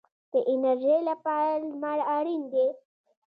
د انرژۍ لپاره لمر اړین دی